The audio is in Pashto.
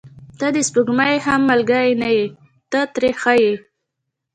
• ته د سپوږمۍ هم ملګرې نه یې، ته ترې ښه یې.